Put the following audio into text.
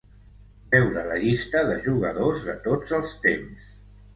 Veure la llista de jugadors de tots els temps.